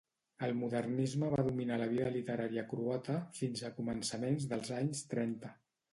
El modernisme va dominar la vida literària croata fins a començaments dels anys trenta.